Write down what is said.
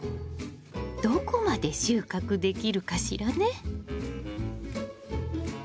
どこまで収穫できるかしらね！